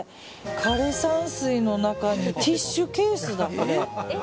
枯山水の中にティッシュケースだ。